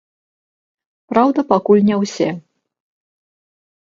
Праўда, пакуль не ўсе.